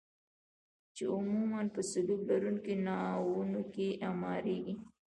چې عموما په سلوب لرونکو ناوونو کې اعماریږي.